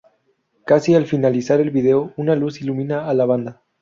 Casi al finalizar el video una luz ilumina a la banda.